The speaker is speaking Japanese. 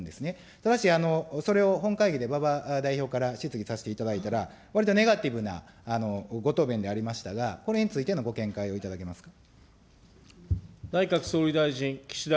ただし、それを本会議で馬場代表から質疑させていただいたら、わりとネガティブなご答弁でありましたが、これについてのご見解を頂けますか。